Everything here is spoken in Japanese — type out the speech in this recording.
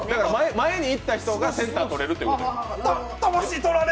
前に行った人がセンター取れるってことです。